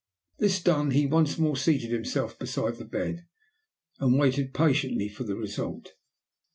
This done he once more seated himself beside the bed, and waited patiently for the result.